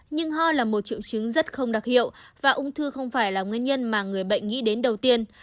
nhưng ho là một triệu chứng rất không đặc hiệu và ung thư không phải là nguyên nhân mà người bệnh nghĩ đến đầu tiên